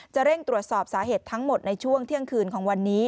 เร่งตรวจสอบสาเหตุทั้งหมดในช่วงเที่ยงคืนของวันนี้